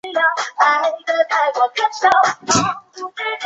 本地的切罗基语使用者能够在语境中判断出不同的声调别义的词。